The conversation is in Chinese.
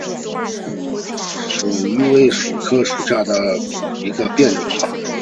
蜀榆为榆科榆属下的一个变种。